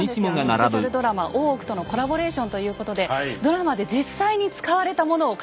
スペシャルドラマ「大奥」とのコラボレーションということでドラマで実際に使われたものを借りてきました。